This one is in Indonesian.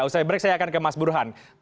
setelah break saya akan ke mas buruhan